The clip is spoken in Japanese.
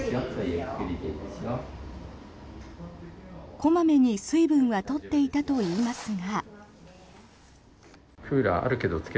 小まめに水分は取っていたといいますが。